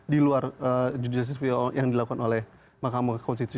di luar judisis yang dilakukan oleh mahkamah konstitusi